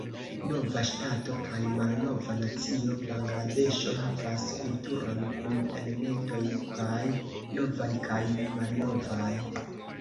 Nova ŝtato kaj malnova nacio, Bangladeŝo havas kulturon kun elementoj kaj novaj kaj malnovaj.